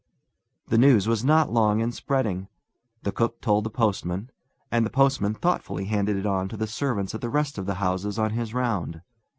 The news was not long in spreading. The cook told the postman, and the postman thoughtfully handed it on to the servants at the rest of the houses on his round.